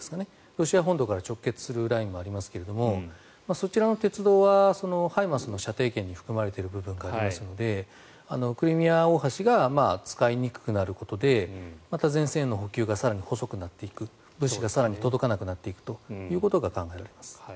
ロシア本土から直結するラインもありますがそちらの鉄道はＨＩＭＡＲＳの射程圏に含まれている部分がありますのでクリミア大橋が使いにくくなることでまた前線への補給が更に細くなっていく物資が更に届きにくくなっていくことが考えられます。